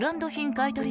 買い取り